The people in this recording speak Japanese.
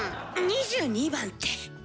２２番って？